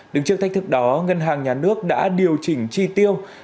đứng trước thách thức đó ngân hàng nhà nước đã điều chỉnh chi tiêu